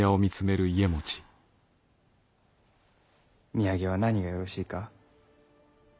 土産は何がよろしいか。